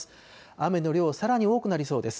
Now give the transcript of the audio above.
雨の量、さらに多くなりそうです。